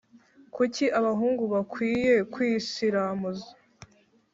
Kuki abahungu bakwiye kwisiramuza?